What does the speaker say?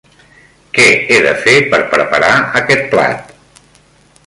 Què he de fer per preparar aquest plat?